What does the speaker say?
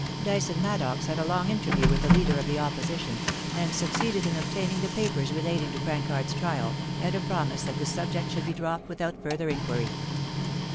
Dyson Maddox had a long interview with the leader of the Opposition, and succeeded in obtaining the papers re lating to Prancard's trial, and a promise that the subject should be dropped without further inquiry.